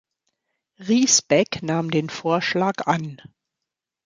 Riesbeck nahm den Vorschlag an.